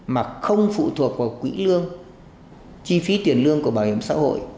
mà không phụ thuộc vào quỹ lương chi phí tiền lương của bảo hiểm xã hội